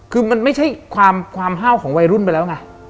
คือมันไม่ใช่ความห้าวของวัยรุ่นไปแล้วไง